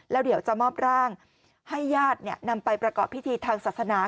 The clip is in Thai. แล้วเดี๋ยวจะมอบร่างให้ญาตินำไปประกอบพิธีทางศาสนา